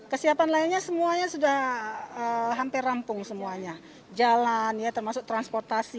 kesiapan lainnya semuanya sudah hampir rampung semuanya jalan ya termasuk transportasi